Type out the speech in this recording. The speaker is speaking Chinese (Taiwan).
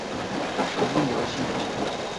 權力遊戲